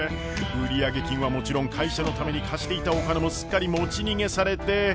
売上金はもちろん会社のために貸していたお金もすっかり持ち逃げされて。